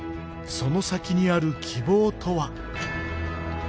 その先にある希望とは？